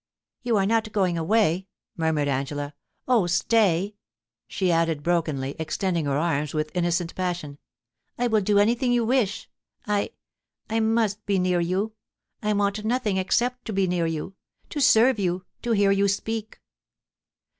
* You are not going away,* murmured Angela. * Oh, stay !' she added brokenly, extending her arms with innocent passion. * I will do anything you wish. ... I — I must be near you. I want nothing except to be near you — to serve you — to hear you speak.'